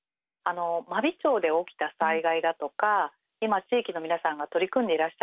真備町で起きた災害だとか今地域の皆さんが取り組んでいらっしゃることはですね